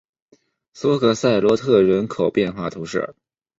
索克塞罗特人口变化图示